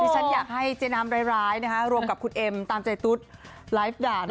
ฉันอยากให้เจ๊น้ำร้ายรวมกับคุณเอ็มตามใจตุ๊ดไลฟ์ด่า